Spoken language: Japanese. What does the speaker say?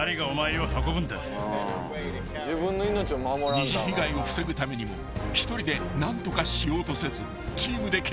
［二次被害を防ぐためにも１人で何とかしようとせずチームでケアする］